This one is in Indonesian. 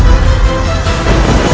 sedangkan di antar hindku